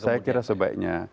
saya kira sebaiknya